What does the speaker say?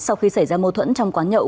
sau khi xảy ra mâu thuẫn trong quán nhậu